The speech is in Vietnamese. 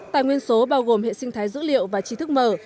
tài nguyên số bao gồm hệ sinh thái dữ liệu và trí thức mở